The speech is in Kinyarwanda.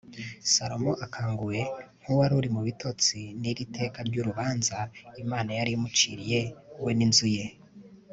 salomo akanguwe nk'uwari uri mu bitotsi n'iri teka ry'urubanza imana yari imuciriye we n'inzu ye